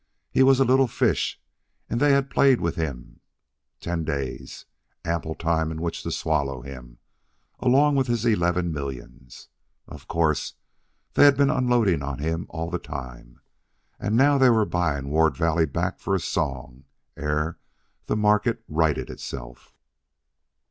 He was a little fish, and they had played with him ten days ample time in which to swallow him, along with his eleven millions. Of course, they had been unloading on him all the time, and now they were buying Ward Valley back for a song ere the market righted itself.